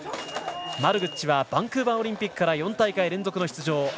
マルグッチはバンクーバーオリンピックから４大会連続の出場。